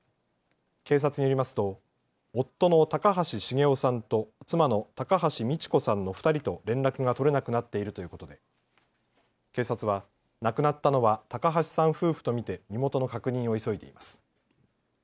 警察によりますと夫の高橋重雄さんと妻の高橋美知子さんの２人と連絡が取れなくなっているということで警察は亡くなったのは高橋さん夫婦と見て身元の確認を急いでいます。